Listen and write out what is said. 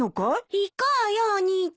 行こうよお兄ちゃん。